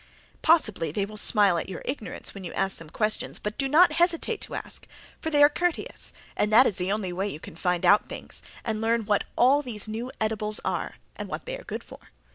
Possibly they will smile at your ignorance when you ask them questions, but do not hesitate to ask, for they are courteous and that is the only way you can find out things, and learn what all these new edibles are and what they are good for.